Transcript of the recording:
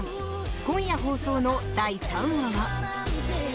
今夜放送の第３話は。